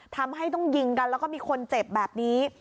ทำให้ต้องยิงกันแล้วก็มีคนเจ็บแบบนี้